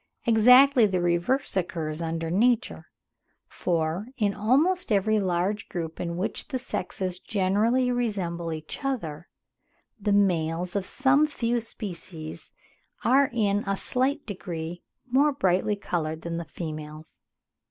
Exactly the reverse occurs under nature; for, in almost every large group in which the sexes generally resemble each other, the males of some few species are in a slight degree more brightly coloured than the females.